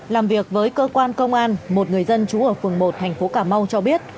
làm việc với cơ quan công an một người dân trú ở phường một thành phố cà mau cho biết